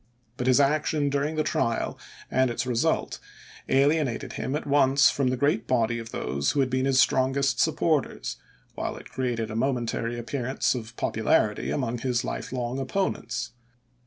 But his action during the trial and its result alienated him at once from the great body of those who had been his strongest supporters, while it created a momentary appearance of popularity among his lifelong opponents.